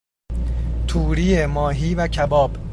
توری ماهی و کباب